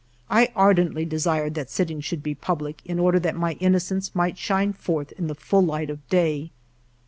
I ar dently desired that sittings should be public, in order that my innocence might shine forth in the full light of day.